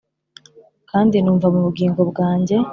kandi numva mu bugingo bwanjye,